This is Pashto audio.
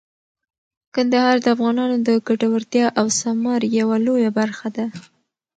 کندهار د افغانانو د ګټورتیا او ثمر یوه لویه برخه ده.